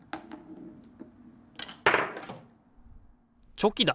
チョキだ！